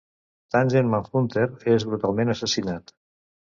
Tangent Manhunter és brutalment assassinat.